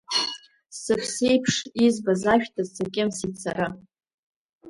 Сыԥсеиԥш избаз ашәҭыц сакьымсит сара.